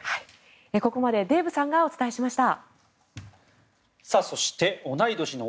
ここまでデーブさんがお伝えしました。